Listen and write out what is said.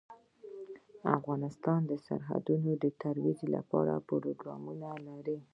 افغانستان د سرحدونه د ترویج لپاره پروګرامونه لري.